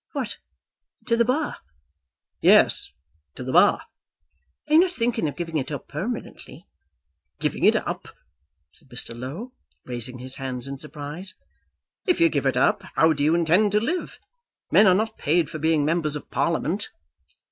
"What; to the Bar?" "Yes; to the Bar." "I am not thinking of giving it up permanently." "Giving it up," said Mr. Low, raising his hands in surprise. "If you give it up, how do you intend to live? Men are not paid for being members of Parliament."